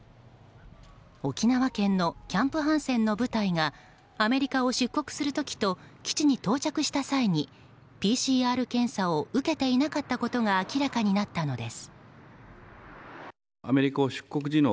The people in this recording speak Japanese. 沖縄県のキャンプ・ハンセンの部隊がアメリカを出国する時と基地に到着した際にＰＣＲ検査を受けていなかったことが明らかになったのです。